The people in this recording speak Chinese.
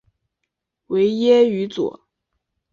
维耶于佐。